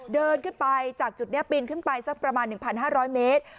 เดินขึ้นไปจากจุดนี้ปีนขึ้นไปสักประมาณ๑๕๐๐เมตร